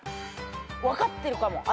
分かってるかも。